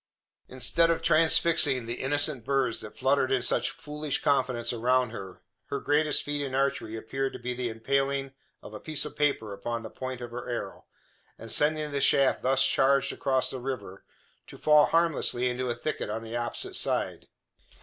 Instead of transfixing the innocent birds that fluttered in such foolish confidence around her, her greatest feat in archery appeared to be the impaling of a piece of paper upon the point of her arrow, and sending the shaft thus charged across the river, to fall harmlessly into a thicket on the opposite side.